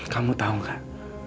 kamu tau gak